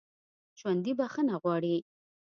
ژوندي بخښنه غواړي